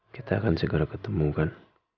kita akan segera ketemu kan